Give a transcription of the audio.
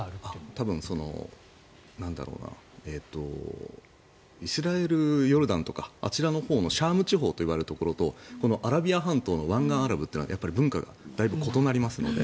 多分イスラエル、ヨルダンとかあちらのほうのシャーム地方といわれるところとアラビア半島の湾岸アラブというのは文化がだいぶ異なりますので。